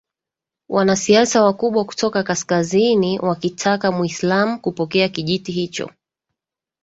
wanasiasa wakubwa kutoka kaskazini wakitaka mwislamu kupokea kijiti hicho